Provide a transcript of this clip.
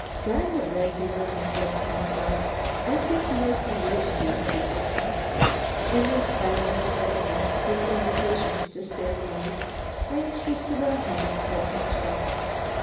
"Darn the Redbeard," I said to myself, "I think he has bewitched these people!" And in spite of their protests and invitations to stay the night, I insisted on having Peg hitched up.